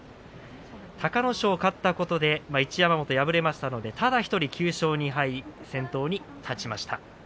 隆の勝、勝ったことで一山本、敗れましたのでただ１人９勝２敗先頭に立っています。